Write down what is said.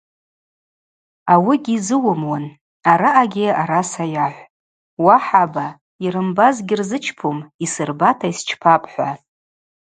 Ауыгьи йзыуымуын, араъагьи араса йахӏв: Уа хӏаба, йрымбаз гьырзычпум, йсырбата йсчпапӏ – хӏва.